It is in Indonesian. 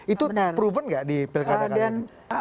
itu proven nggak di pilkada kalian